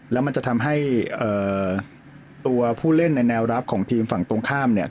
แล้วมันจะทำให้ตัวผู้เล่นในแนวรับของทีมฝั่งตรงข้ามเนี่ย